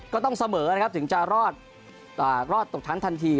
ก็ต้องเสมอนะครับถึงจะรอดอ่ารอดตกชั้นทันที